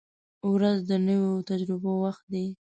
• ورځ د نویو تجربو وخت دی.